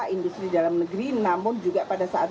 industri dalam negeri namun juga pada saat